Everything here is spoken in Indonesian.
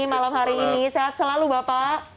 malam hari ini sehat selalu bapak